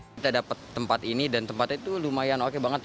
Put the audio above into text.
kita dapat tempat ini dan tempat itu lumayan oke banget